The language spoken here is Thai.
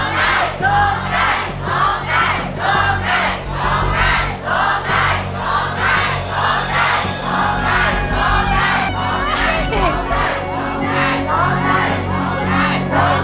ร้องใจร้องใจร้องใจร้องใจ